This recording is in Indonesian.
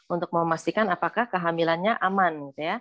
untuk memastikan apakah kehamilannya aman